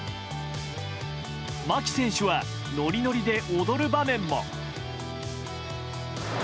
牧選手はノリノリで踊る場面も。